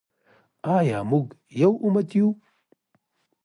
آیا موږ یو امت یو؟